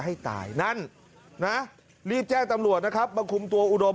ให้ตายนั่นนะรีบแจ้งตำรวจนะครับมาคุมตัวอุดม